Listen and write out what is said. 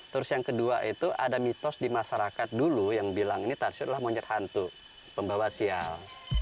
terus yang kedua itu ada mitos di masyarakat dulu yang bilang ini tarsi adalah monyet hantu pembawa sial